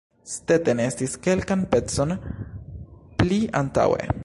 Stetten estis kelkan pecon pli antaŭe.